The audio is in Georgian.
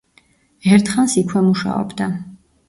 ერთხანს იქვე მუშაობდა.